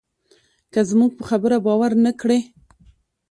که زموږ په خبره باور نه کړې.